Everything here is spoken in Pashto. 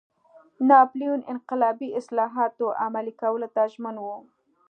ناپلیون انقلابي اصلاحاتو عملي کولو ته ژمن و.